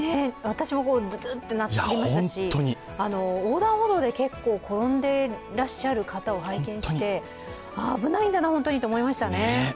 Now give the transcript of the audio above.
私もズズッとなりましたし、横断歩道で転んでいらっしゃる方を拝見して、危ないんだな、本当にと思いましたね。